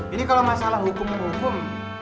ini kalau masalah hukum hukum